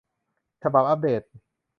ฉบับอัปเดต